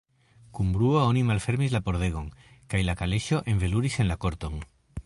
Kun bruo oni malfermis la pordegon, kaj la kaleŝo enveluris en la korton.